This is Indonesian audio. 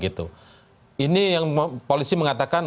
ini yang polisi mengatakan